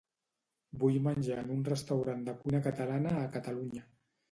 Vull menjar en un restaurant de cuina catalana a Catalunya.